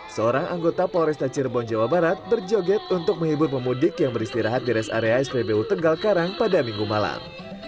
seorang anggota polresta cirebon jawa barat berjoget untuk menghibur pemudik yang beristirahat di res area spbu tegal karang pada minggu malam